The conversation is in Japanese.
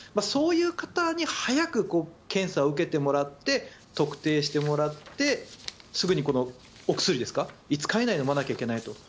そういう方に早く検査を受けてもらって特定してもらってすぐにお薬ですか、５日以内に飲まないといけないと。